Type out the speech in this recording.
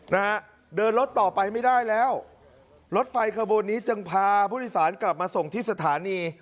นะฮะเดินรถต่อไปไม่ได้แล้วรถไฟขบวนนี้จึงพาผู้โดยสารกลับมาส่งที่สถานี